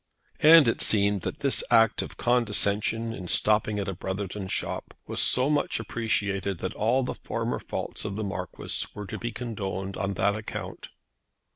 And it seemed that this act of condescension in stopping at a Brotherton shop was so much appreciated that all the former faults of the Marquis were to be condoned on that account.